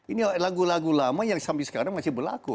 ini lagu lagu lama yang sampai sekarang masih berlaku